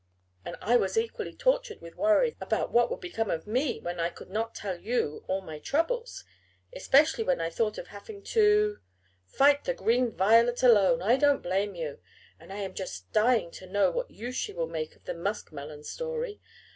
"And I was equally tortured with worries about what would become of me, when I could not tell you all my troubles. Especially when I thought of having to " "Fight the Green Violet alone! I don't blame you. But I am just dying to know what use she will make of the muskmelon story.